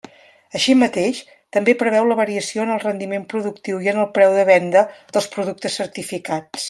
Així mateix, també preveu la variació en el rendiment productiu i en el preu de venda dels productes certificats.